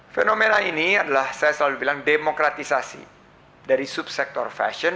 fenomena ini adalah saya selalu bilang demokratisasi dari subsektor fashion